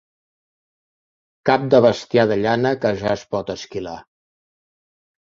Cap de bestiar de llana que ja es pot esquilar.